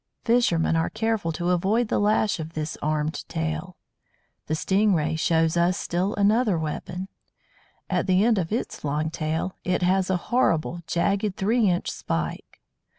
Fishermen are careful to avoid the lash of this armed tail. The Sting Ray shows us still another weapon. At the end of its long tail it has a horrible, jagged three inch spike.